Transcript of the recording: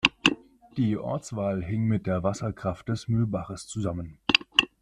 Die Ortswahl hing mit der Wasserkraft des Mühlbaches zusammen.